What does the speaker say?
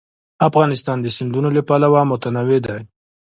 افغانستان د سیندونه له پلوه متنوع دی.